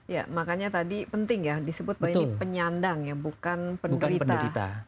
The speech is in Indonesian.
ya makanya tadi penting ya disebut bahwa ini penyandang ya bukan penderita